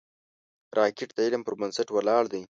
راکټ د علم پر بنسټ ولاړ دی